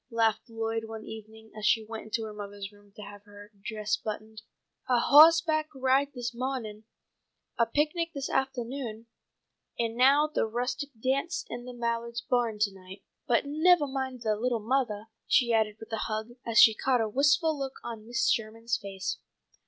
laughed Lloyd one evening as she went into her mother's room to have her dress buttoned. "A hawse back ride this mawning, a picnic this aftahnoon, and now the rustic dance in the Mallards' barn to night. But nevah mind, little mothah," she added with a hug, as she caught a wistful look on Mrs. Sherman's face.